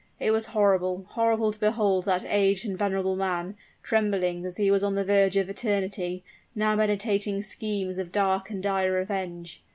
It was horrible horrible to behold that aged and venerable man, trembling as he was on the verge of eternity, now meditating schemes of dark and dire revenge.